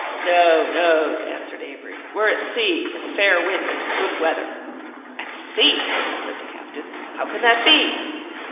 "No, no," answered Avery, "we're at sea, with a fair wind and a good weather." "At sea!" said the captain: "how can that be?"